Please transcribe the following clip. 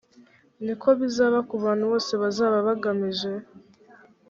ni ko bizaba ku bantu bose bazaba bagamije